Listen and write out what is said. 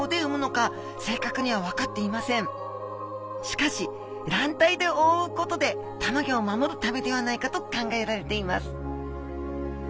しかし卵帯でおおうことでたまギョを守るためではないかと考えられています。